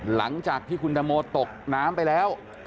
หลังจากที่คุณตังโมตกน้ำไปแล้ว